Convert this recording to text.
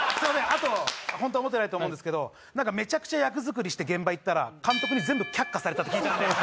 あと本当は思ってないと思うんですけどなんかめちゃくちゃ役作りして現場行ったら監督に全部却下されたって聞いたんで。